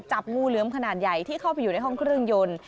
จับงูเหลือมขนาดใหญ่ที่เข้าไปอยู่ในห้องเครื่องยนต์